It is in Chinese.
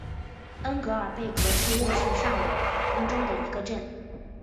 恩格尔贝格是瑞士上瓦尔登州的一个镇。